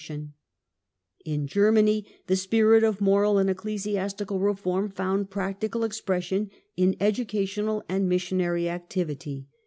Mission In Germany the spirit of moral and ecclesiastical reform found practical expression in educational and missionary activity.